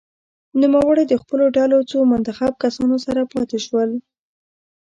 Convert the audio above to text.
نوموړی د خپلو ډلو څو منتخب کسانو سره پاته شول.